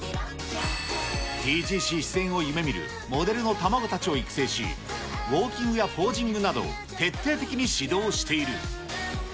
ＴＧＣ出演を夢みるモデルの卵たちを育成し、ウォーキングやポージングなど、徹底的に指導している。